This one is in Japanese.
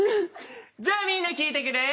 じゃあみんな聞いてくれ。